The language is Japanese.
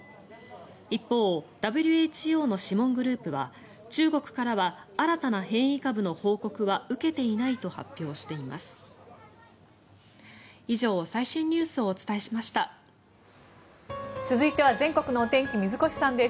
一方、ＷＨＯの諮問グループは中国からは新たな変異株の報告は受けていないと発表しています。